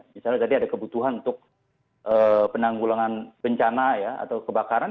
misalnya tadi ada kebutuhan untuk penanggulangan bencana atau kebakaran